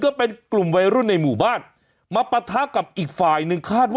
ก็เป็นกลุ่มวัยรุ่นในหมู่บ้านมาปะทะกับอีกฝ่ายหนึ่งคาดว่า